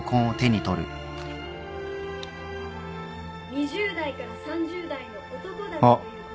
２０代から３０代の男だったということです。